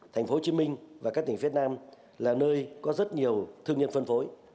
thành phố hồ chí minh và các tỉnh phía nam là nơi có rất nhiều thương nhân phân phối